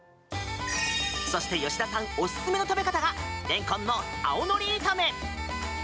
そして吉田さんおすすめの食べ方がレンコンの青のり炒め。